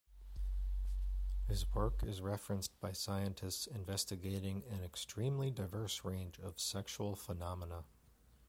His work is referenced by scientists investigating an extremely diverse range of sexual phenomena.